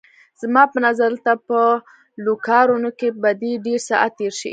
زما په نظر دلته په لوکارنو کې به دې ډېر ساعت تېر شي.